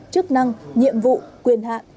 chức năng nhiệm vụ quyền hạn